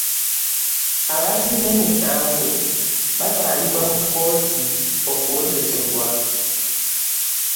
abazzi b'emisango batwalibwa mu kkooti okuwozesebwa.